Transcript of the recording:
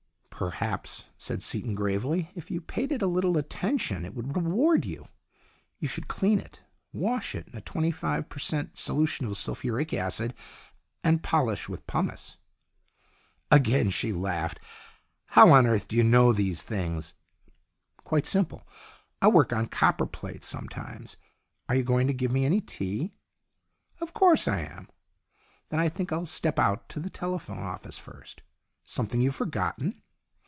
" Perhaps," said Seaton, gravely, " if you paid it a little attention it would reward you. You should clean it. Wash it in a twenty five per cent, solution of sulphuric acid, and polish with pumice." Again she laughed. " How on earth do you know these things ?"" Quite simple ; I work on copper plates some times. Are you going to give me any tea ?"" Of course I am." "Then I think I'll step out to the telephone office first." " Something you've forgotten